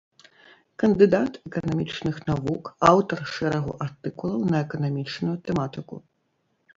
Кандыдат эканамічных навук, аўтар шэрагу артыкулаў на эканамічную тэматыку.